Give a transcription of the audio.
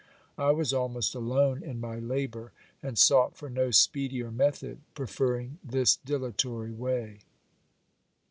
I was almost alone in my labour and sought for no speedier method, preferring this dilatory way.